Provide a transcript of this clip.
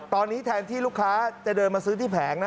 ตอนนี้แทนที่ลูกค้าจะเดินมาซื้อที่แผงนะ